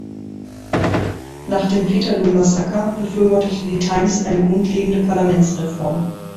Nach dem „Peterloo-Massaker“ befürwortete die "Times" eine grundlegende Parlamentsreform.